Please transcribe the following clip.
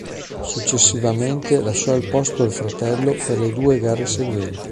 Successivamente lasciò il posto al fratello per le due gare seguenti.